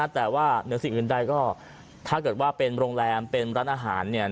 แต่ว่าเหนือสิ่งอื่นใดก็ถ้าเกิดว่าเป็นโรงแรมเป็นร้านอาหารเนี่ย